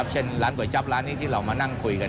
เช่นร้านก๋วยจับร้านนี้ที่เรามานั่งคุยกัน